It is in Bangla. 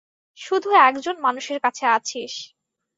শুধু একজন মানুষের কাছে আছিস।